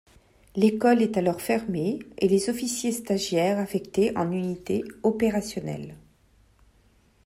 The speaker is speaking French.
L'école est alors fermée et les officiers stagiaires affectés en unité opérationnelle.